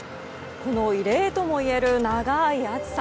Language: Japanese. この異例ともいえる長い暑さ。